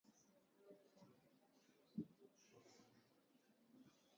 Այնտեղ դարբնի որդին գնում է վախ սովորելու։